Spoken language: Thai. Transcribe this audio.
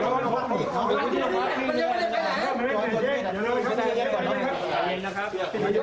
โอ้โฮนี่ดูสิ